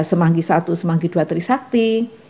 semangki satu semangki dua trisakti